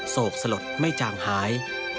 โศกสลดไม่จางหาย